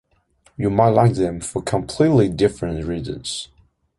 You might like them for completely different reasons.